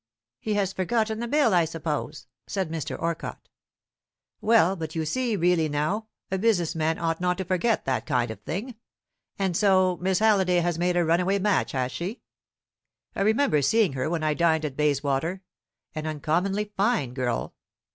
"He has forgotten the bill, I suppose," said Mr. Orcott. "Well, but you see, really now, a business man ought not to forget that kind of thing. And so Miss Halliday has made a runaway match, has she? I remember seeing her when I dined at Bayswater an uncommonly fine girl.